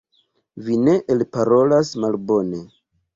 Vi ne elparolas malbone.